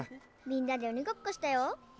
みんなでおにごっこしたよ。